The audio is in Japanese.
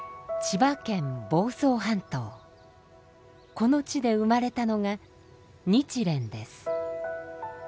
この地で生まれたのが日蓮です。